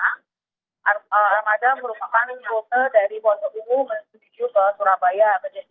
armada merupakan rote dari boso ungu menuju ke surabaya